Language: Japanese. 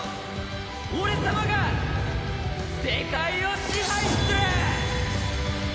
俺様が世界を支配する！